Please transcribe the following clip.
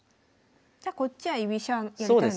じゃこっちは居飛車やりたいので。